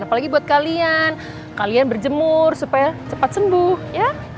apalagi buat kalian kalian berjemur supaya cepat sembuh ya